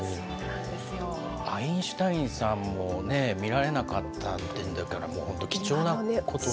アインシュタインさんも見られなかったっていうんだから、もう本当、貴重なこと。